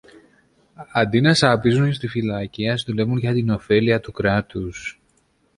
Αντί να σαπίζουν στη φυλακή, ας δουλεύουν για την ωφέλεια του κράτους.